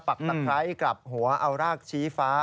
ปักตะไคร้กลับหัวเอารากชี้ฟ้า